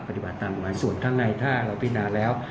ปฏิบัติตามหมายส่วนข้างในถ้าเราพินาแล้ว